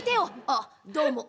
あっどうも。